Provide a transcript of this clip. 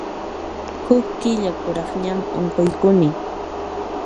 Huk killa kuraqñam unquykuni.